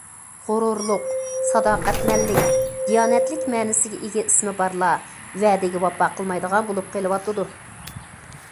غۇرۇرلۇق، ساداقەتمەنلىك، دىيانەتلىك مەنىسىگە ئىگە ئىسمى بارلار ۋەدىگە ۋاپا قىلمايدىغان بولۇپ قېلىۋاتىدۇ.